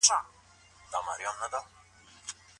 د ارغنداب سیند اوبه د طبیعي سرچینو له جملې څخه دي.